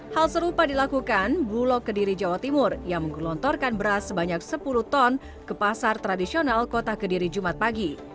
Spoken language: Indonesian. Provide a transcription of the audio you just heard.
hal serupa dilakukan bulog kediri jawa timur yang menggelontorkan beras sebanyak sepuluh ton ke pasar tradisional kota kediri jumat pagi